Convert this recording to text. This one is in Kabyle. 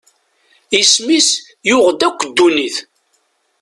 Isem-is yuɣ-d akk ddunit.